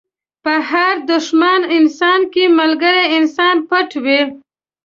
په هر دښمن انسان کې ملګری انسان پټ وي.